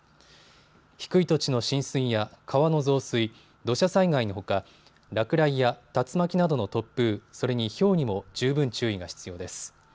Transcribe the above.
低い土地の浸水や川の増水、土砂災害のほか落雷や竜巻などの突風、それにひょうにも十分注意が必要です。